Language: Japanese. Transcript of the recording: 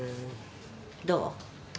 どう？